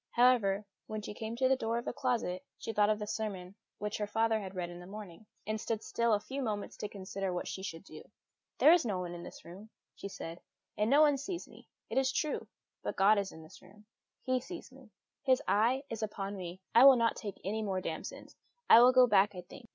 However, when she came to the door of the closet, she thought of the sermon which her father had read in the morning, and stood still a few moments to consider what she should do. "There is nobody in this room," she said; "and nobody sees me, it is true, but God is in this room; He sees me; His eye is now upon me. I will not take any more damsons. I will go back, I think.